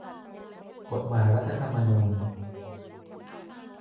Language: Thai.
กฎหมายรัฐธรรมนูญ